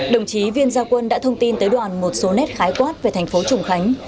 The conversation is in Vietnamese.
đồng chí viên gia quân đã thông tin tới đoàn một số nét khái quát về thành phố trùng khánh